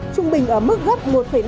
trung bình ở mức gấp một năm